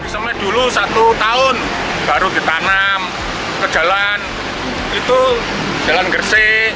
sampai dulu satu tahun baru ditanam ke jalan itu jalan gersik